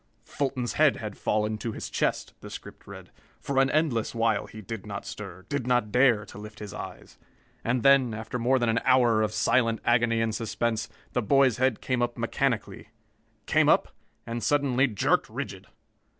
"Fulton's head had fallen to his chest," the script read. "For an endless while he did not stir, did not dare to lift his eyes. And then, after more than an hour of silent agony and suspense, the boy's head came up mechanically. Came up and suddenly jerked rigid.